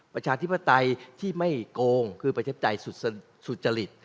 ประชาธิปไตยที่ไม่โกงคือประชาธิปไตยสุจริต